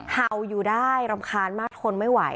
เห่าอยู่ได้รำคาญมากทนไม่ไหว